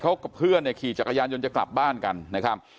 เขากับเพื่อนเนี่ยขี่จักรยานยนต์จะกลับบ้านกันนะครับ